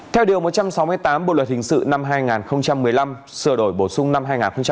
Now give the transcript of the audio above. theo điều một trăm sáu mươi tám bộ luật hình sự năm hai nghìn một mươi năm sửa đổi bổ sung năm hai nghìn một mươi bảy